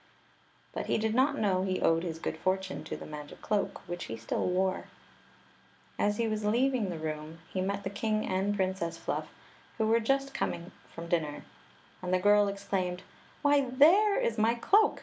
But he did not know he owed his good fortune to the magic cloak, which he still wore. As he was leaving the room, he met the king and Princess Fluff, who were just come from dinner ; and the girl exclaimed : "Why, there is my cloak!